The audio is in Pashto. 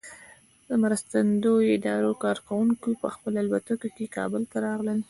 د مرستندویه ادارو کارکوونکي په خپلو الوتکو کې کابل ته راغلل.